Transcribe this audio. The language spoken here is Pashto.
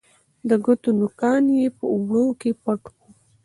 د ګوتو نوکان یې په اوړو کې پټ وه